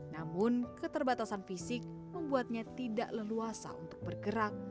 namun keterbatasan fisik membuatnya tidak leluasa untuk bergerak